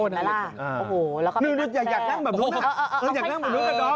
นินหนูอยากนั่งแบบนู้นหนูนะหนูอยากนั่งแบบนู้นข้างนอก